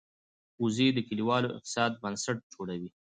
وزې د کلیوالو اقتصاد بنسټ جوړوي